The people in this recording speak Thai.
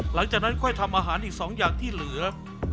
หลังจากนั้นค่อยทำอาหารอีก๒อย่างที่เหลือ